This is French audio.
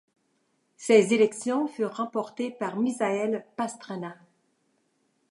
Ces élections furent remportées par Misael Pastrana.